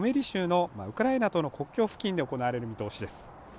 州のウクライナとの国境付近で行われる見通しです